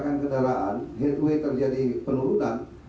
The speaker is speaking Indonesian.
jika kemasetan kendaraan headway terjadi penurunan